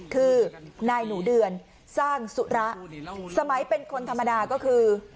คือนายหนูเดือนสร้างสุระสมัยเป็นคนธรรมดาก็คือ